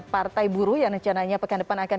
partai buruh yang rencananya pekan depan akan